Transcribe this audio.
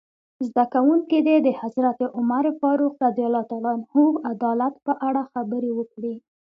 زده کوونکي دې د حضرت عمر فاروق رض عدالت په اړه خبرې وکړي.